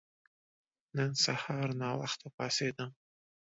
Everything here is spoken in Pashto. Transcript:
نن سهار ناوخته پاڅیدم.